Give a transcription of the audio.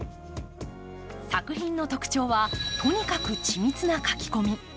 作品の特徴は、とにかく緻密な描き込み。